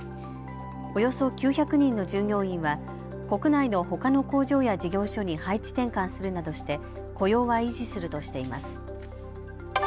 およそ９００人の従業員は国内のほかの工場や事業所に配置転換するなどして雇用は維持するとしています。